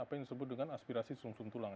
apa yang disebut dengan aspirasi sung sung tulang